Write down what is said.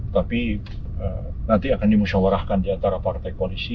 tapi nanti akan dimusyawarahkan diantara partai koalisi